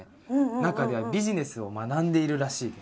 中ではビジネスを学んでいるらしいです。